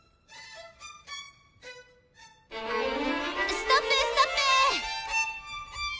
ストップストップ！